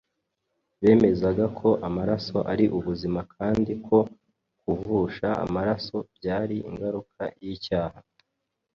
Bemezaga ko amaraso ari ubuzima kandi ko kuvusha amaraso byari ingaruka y’icyaha.